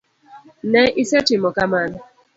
Ne isetimo kamano.